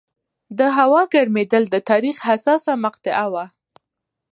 د هوا ګرمېدل د تاریخ حساسه مقطعه وه.